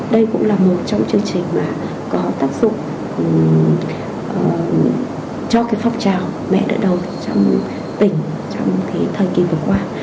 đây cũng là một trong chương trình mà có tác dụng cho phong trào mẹ đỡ đầu trong tỉnh trong cái thời kỳ vừa qua